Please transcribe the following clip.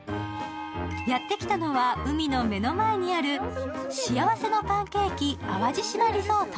やってきたのは海の目の前にある幸せのパンケーキ淡路島リゾート